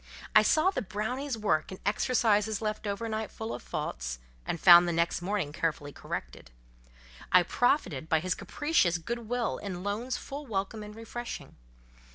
I saw the brownie's work in exercises left overnight full of faults, and found next morning carefully corrected: I profited by his capricious good will in loans full welcome and refreshing.